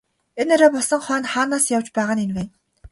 Энэ орой болсон хойно хаанаас явж байгаа нь энэ вэ?